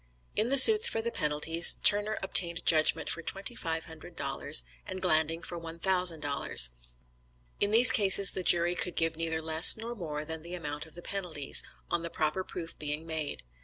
In the suits for the penalties, Turner obtained judgment for twenty five hundred dollars, and Glanding, one for one thousand dollars. In these cases the jury could give neither less nor more than the amount of the penalties, on the proper proof being made.